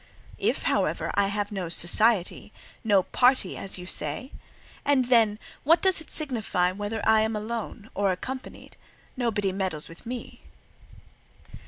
"If, however, I have no society—no party, as you say? And then, what does it signify whether I am alone, or accompanied? nobody meddles with me."